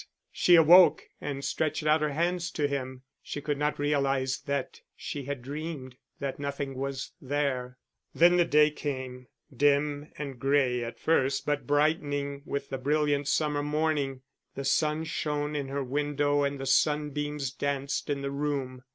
She awoke and stretched out her hands to him; she could not realise that she had dreamed, that nothing was there. Then the day came, dim and gray at first, but brightening with the brilliant summer morning; the sun shone in her window, and the sunbeams danced in the room.